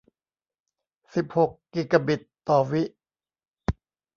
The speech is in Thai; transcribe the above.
สิบหกกิกะบิตต่อวิ